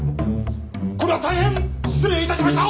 これは大変失礼いたしました！